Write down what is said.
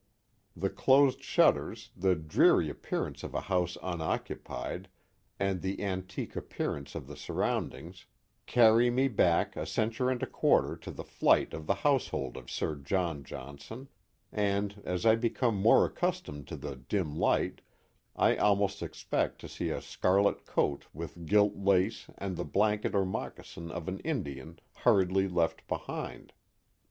The closed shutters, the dreary appearance of a house unoccupied, and the antique appearance of the surroundings carry me back a century and a quarter to the flight of the household of Sir John Johnson, and, as I become more accustomed to the dim Hght, I almost expect to see a scarlet coat with gilt lace and the blanket or moccasin of an Indian, hurriedly left behind.